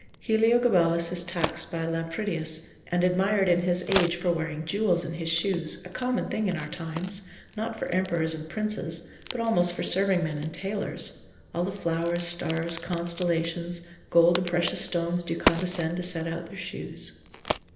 Heliogabalus is taxed by Lampridius, and admired in his age for wearing jewels in his shoes, a common thing in our times, not for emperors and princes, but almost for serving men and tailors; all the flowers, stars, constellations, gold and precious stones do condescend to set out their shoes.